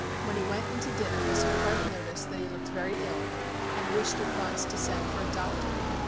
When he went in to dinner Miss Hogarth noticed that he looked very ill, and wished at once to send for a doctor.